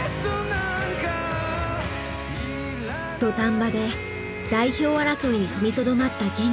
土壇場で代表争いに踏みとどまった玄暉。